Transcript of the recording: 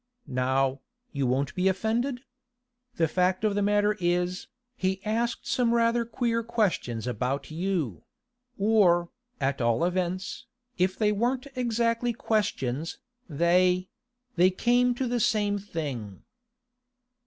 Now, you won't be offended? The fact of the matter is, he asked some rather queer questions about you—or, at all events, if they weren't exactly questions, they—they came to the same thing.